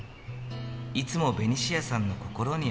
いつもベニシアさんの心にある。